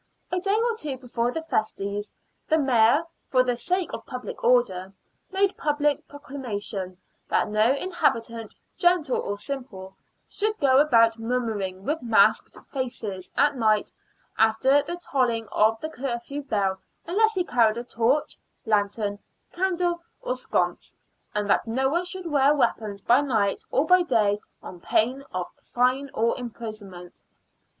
A day or two before the festivities the Mayor, for the sake of public order, made public proclamation that no inhabitant, gentle or simple, should go about mumming with masked faces at night after the tolling of the curfew bell unless he carried a torch, lantern, candle, or sconce, and that no one should wear weapons by night or by day, on pain of fine or imprisonment.